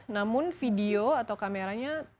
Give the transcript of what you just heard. namun video atau kameranya